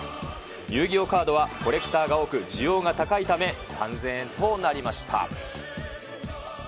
遊戯王カードはコレクターが多く、需要が高いため、３０００円となりました。